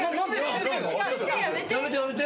・やめてやめて。